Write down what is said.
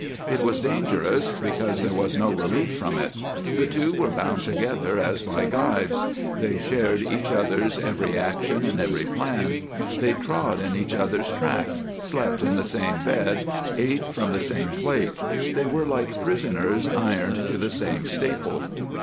It was dangerous because there was no relief from it: the two were bound together as by gyves; they shared each other's every action and every plan; they trod in each other's tracks, slept in the same bed, ate from the same plate. They were like prisoners ironed to the same staple.